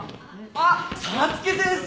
あっ早月先生！